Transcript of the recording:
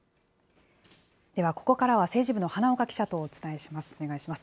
ではここからは、政治部の花岡記者とお伝えします。